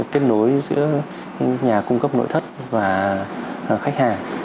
kết nối giữa nhà cung cấp nội thất và khách hàng